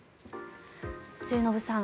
末延さん